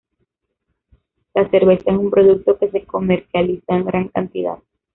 La cerveza es un producto que se comercializa en gran cantidad.